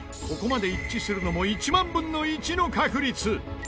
ここまで一致するのも１万分の１の確率